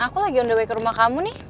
aku lagi underway ke rumah kamu nih